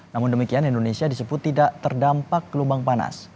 namun demikian indonesia disebut tidak terdampak gelombang panas